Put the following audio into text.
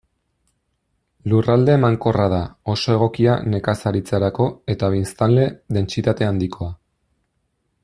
Lurralde emankorra da, oso egokia nekazaritzarako, eta biztanle dentsitate handikoa.